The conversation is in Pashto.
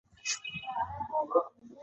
قوه سنج د قوې د اندازه کولو وسیله ده.